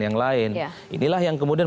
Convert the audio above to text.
yang lain inilah yang kemudian